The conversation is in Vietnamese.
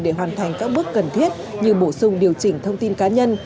để hoàn thành các bước cần thiết như bổ sung điều chỉnh thông tin cá nhân